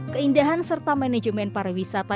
keindahan serta manajemen para wisata